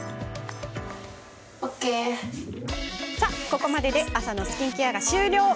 ここまでで朝のスキンケアは終了。